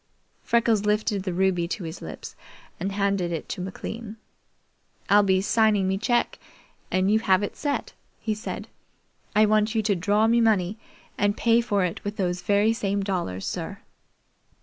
Freckles lifted the ruby to his lips and handed it to McLean. "I'll be signing me cheque and you have it set," he said. "I want you to draw me money and pay for it with those very same dollars, sir."